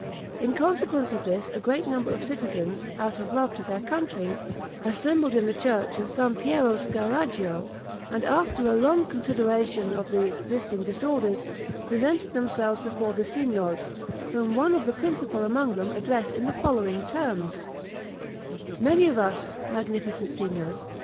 In consequence of this a great number of citizens, out of love to their country, assembled in the church of St. Piero Scarraggio, and after a long consideration of the existing disorders, presented themselves before the Signors, whom one of the principal among them addressed in the following terms: "Many of us, magnificent Signors!